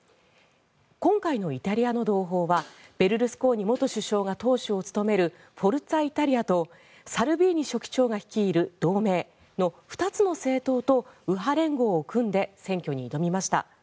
今回のイタリアの同胞はベルルスコーニ元首相が党首を務めるフォルツァ・イタリアとサルビーニ書記長が率いる同盟の２つの政党と右派連合を組んで選挙に挑みました。